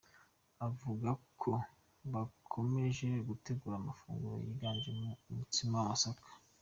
Avuga ko bakomeje gutegura amafunguro yiganjemo umutsima w’amasaka.